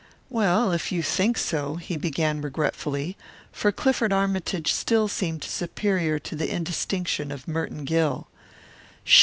"Well, if you think so " he began regretfully, for Clifford Armytage still seemed superior to the indistinction of Merton Gill.